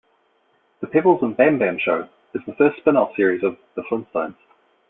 "The Pebbles and Bamm-Bamm Show" is the first spinoff series of "The Flintstones".